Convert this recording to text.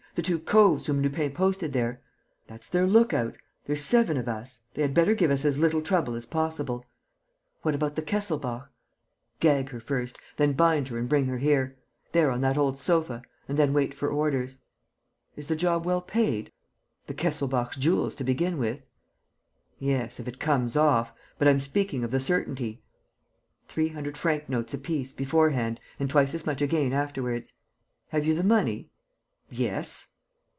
The two coves whom Lupin posted there?" "That's their look out: there's seven of us. They had better give us as little trouble as possible." "What about the Kesselbach?" "Gag her first, then bind her and bring her here. ... There, on that old sofa. ... And then wait for orders." "Is the job well paid?" "The Kesselbach's jewels to begin with." "Yes, if it comes off ... but I'm speaking of the certainty." "Three hundred franc notes apiece, beforehand, and twice as much again afterwards." "Have you the money?" "Yes."